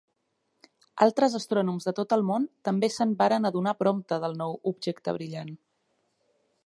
Altres astrònoms de tot el món també se'n varen adonar prompte del nou objecte brillant.